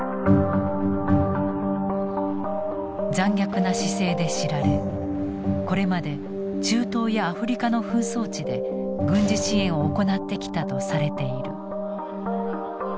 残虐な姿勢で知られこれまで中東やアフリカの紛争地で軍事支援を行ってきたとされている。